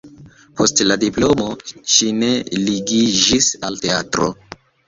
Post la diplomo ŝi ne ligiĝis al teatro.